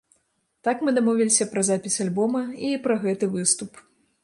Так мы дамовіліся пра запіс альбома і пра гэты выступ.